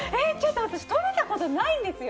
私、とれたことないんですよ